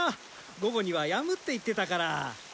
午後にはやむって言ってたから。